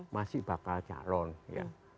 masih bakal calon ya